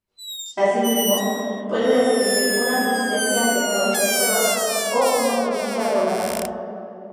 Asimismo puede describir una resistencia a tecnologías nuevas, o una conducta arrogante.